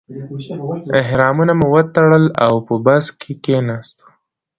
احرامونه مو وتړل او په بس کې کیناستو.